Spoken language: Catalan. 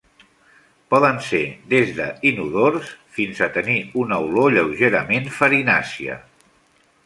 Poden ser des d'inodors fins a tenir una olor lleugerament farinàcia.